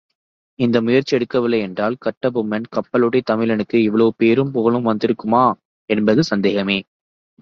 இந்த முயற்சி எடுக்கவில்லை என்றால் கட்டபொம்மன், கப்பலோட்டிய தமிழனுக்கு இவ்வளவு பேரும் புகழும் வந்திருக்குமா, என்பது சந்தேகமே!